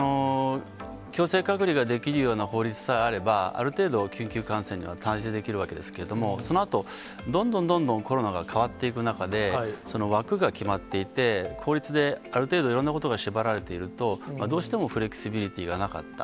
強制隔離ができるような法律さえあれば、ある程度緊急感染には、対応できるわけですけれども、そのあと、どんどんどんどんコロナが変わっていく中で、枠が決まって、法律である程度、いろんなことが縛られていると、どうしてもフレキシビリティーがなかった。